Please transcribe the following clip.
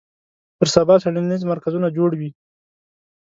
پر سبا څېړنیز مرکزونه جوړ وي